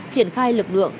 triển khai lực lượng